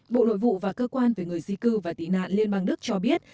bộ nội vụ và cơ quan về người di cư và tị nạn liên bang đức cho biết